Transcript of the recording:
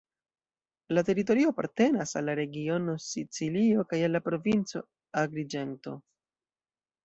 La teritorio apartenas al la regiono Sicilio kaj al la provinco Agriĝento.